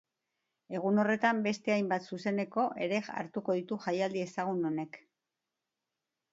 Egun horretan beste hainbat zuzeneko ere hartuko ditu jaialdi ezagun honek.